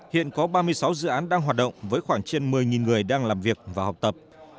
hiện có ba mươi sáu dự án đang hoạt động với khoảng trên một mươi người đang làm việc và học tập